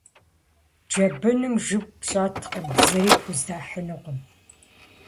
Джэбыным жып щӏэткъым, зыри пхуздэхьынукъым.